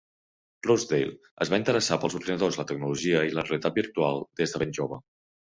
Rosedale es va interessar pels ordinadors, la tecnologia i la realitat virtual des de ben jove.